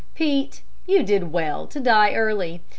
Pete, you did well to die early.